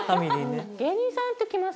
芸人さんって来ます？